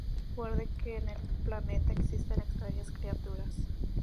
Recuerde que en el planeta existen extrañas criaturas